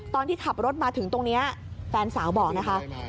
ตอนที่ขับรถมาถึงตรงนี้แฟนสาวบอกนะคะ